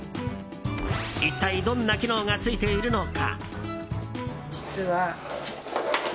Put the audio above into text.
一体、どんな機能がついているのか。